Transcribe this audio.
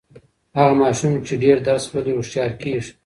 هغه ماشوم چې ډېر درس لولي، هوښیار کیږي.